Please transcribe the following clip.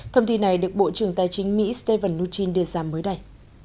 thông tin này được bộ trưởng tài chính mỹ stephen mnuchin đưa ra mới đây